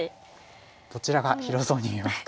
どちらが広そうに見えますか？